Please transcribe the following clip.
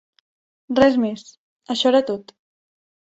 Res més, això era tot.